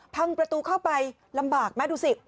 พังประตูเข้าไปลำบากไหมดูสิ